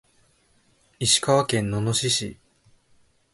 石川県野々市市